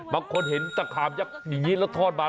บางคนเห็นตะขามยักษ์อย่างนี้แล้วทอดมา